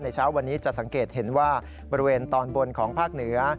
เช้าวันนี้จะสังเกตเห็นว่าบริเวณตอนบนของภาคเหนือ